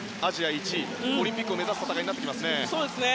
１位オリンピックを目指す戦いになってきますね。